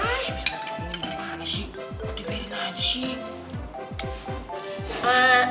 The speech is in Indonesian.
diberitah aja sih